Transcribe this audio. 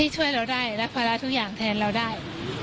ช่วยเราได้รับภาระทุกอย่างแทนเราได้